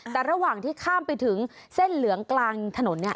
แต่ระหว่างที่ข้ามไปถึงเส้นเหลืองกลางถนนเนี่ย